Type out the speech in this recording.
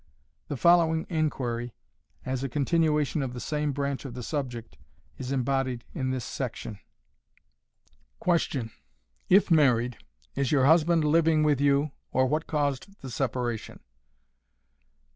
The following inquiry, as a continuation of the same branch of the subject, is embodied in this section. Question. IF MARRIED, IS YOUR HUSBAND LIVING WITH YOU, OR WHAT CAUSED THE SEPARATION?